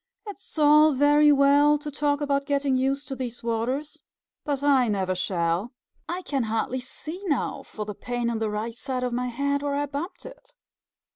"It is all very well to talk about getting used to these waters, but I never shall. I can hardly see now for the pain in the right side of my head, where I bumped it.